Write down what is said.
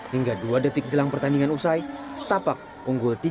hingga dua detik jelang pertandingan usai setapak unggul tiga